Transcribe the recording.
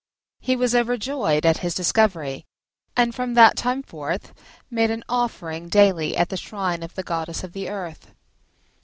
He was overjoyed at his discovery, and from that time forth made an offering daily at the shrine of the Goddess of the Earth.